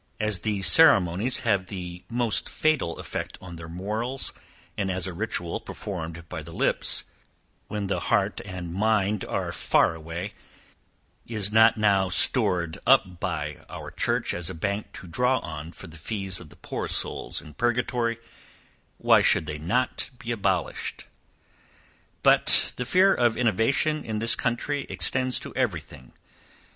As these ceremonies have the most fatal effect on their morals, and as a ritual performed by the lips, when the heart and mind are far away, is not now stored up by our church as a bank to draw on for the fees of the poor souls in purgatory, why should they not be abolished? But the fear of innovation, in this country, extends to every thing.